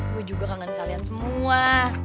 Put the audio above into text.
gue juga kangen kalian semua